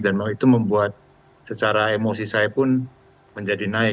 dan itu membuat secara emosi saya pun menjadi naik